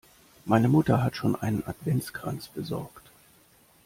Meine Mutter hat schon einen Adventskranz besorgt.